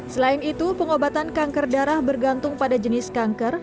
selain itu pengobatan kanker darah bergantung pada jenis kanker